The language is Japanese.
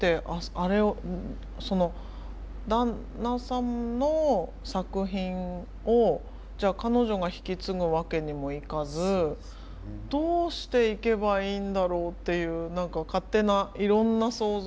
あれをその旦那さんの作品をじゃあ彼女が引き継ぐわけにもいかずどうしていけばいいんだろうっていう何か勝手ないろんな想像が。